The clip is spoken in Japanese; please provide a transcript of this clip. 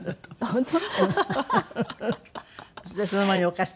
本当？